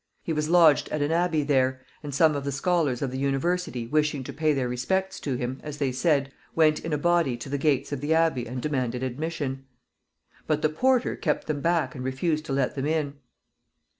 He was lodged at an abbey there, and some of the scholars of the University wishing to pay their respects to him, as they said, went in a body to the gates of the abbey and demanded admission; but the porter kept them back and refused to let them in.